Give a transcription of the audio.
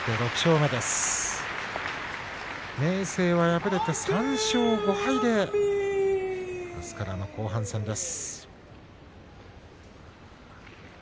明生は敗れて３勝５敗であすからの後半戦です。